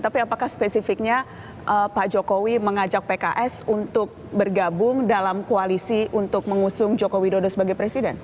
tapi apakah spesifiknya pak jokowi mengajak pks untuk bergabung dalam koalisi untuk mengusung joko widodo sebagai presiden